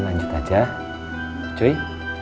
nunggu aja kan